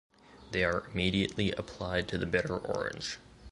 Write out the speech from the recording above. They are immediately applied to the bitter orange.